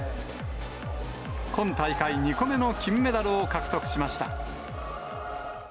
今大会２個目の金メダルを獲得しました。